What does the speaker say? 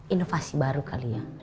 inovasi baru kali ya